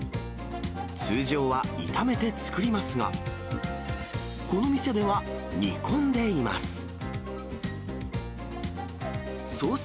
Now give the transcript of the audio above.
通常は炒めて作りますが、この店では煮込んでいます。